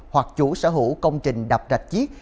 hoặc chủ sở hữu công trình đập rạch chiếc